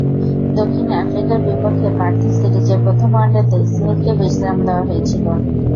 দক্ষিণ আফ্রিকার বিপক্ষে পার্থে সিরিজের প্রথম ওয়ানডেতে স্মিথকে বিশ্রাম দেওয়া হয়েছিল।